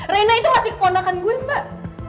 rena itu masih keponakan gue mbak